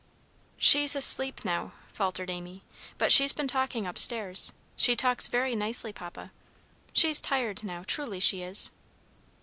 "She's asleep now," faltered Amy. "But she's been talking up stairs. She talks very nicely, Papa. She's tired now, truly she is."